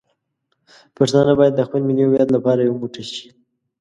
پښتانه باید د خپل ملي هویت لپاره یو موټی شي.